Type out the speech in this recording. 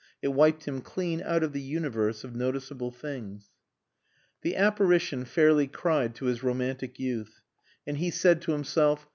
It wiped him clean out of the universe of noticeable things. The apparition fairly cried to his romantic youth. And he said to himself.